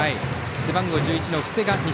背番号１１の布施二